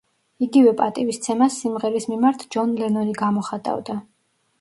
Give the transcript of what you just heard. იგივე პატივისცემას სიმღერის მიმართ ჯონ ლენონი გამოხატავდა.